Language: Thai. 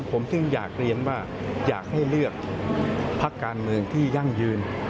ผมจึงอยากเรียนว่าอยากให้เลือกพักการเมืองที่ยั่งยืน